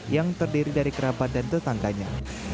yang terdiri dari kerabat dan tetangganya